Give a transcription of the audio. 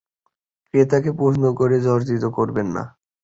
ক্রেতাকে প্রশ্ন করে জর্জরিত করবেন না।